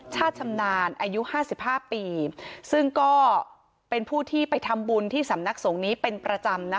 ชำนาญอายุ๕๕ปีซึ่งก็เป็นผู้ที่ไปทำบุญที่สำนักสงฆ์นี้เป็นประจำนะคะ